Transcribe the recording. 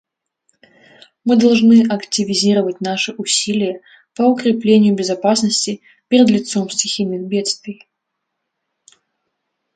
Мы должны активизировать наши усилия по укреплению безопасности перед лицом стихийных бедствий.